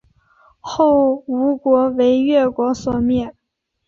后吴国为越国所灭。